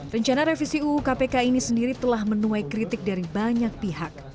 rencana revisi uu kpk ini sendiri telah menuai kritik dari banyak pihak